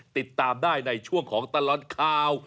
ติดตามได้ในช่วงของตลอดข่าว